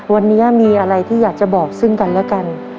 วันนี้มีอะไรที่อยากจะบอกซึ่งกันและกัน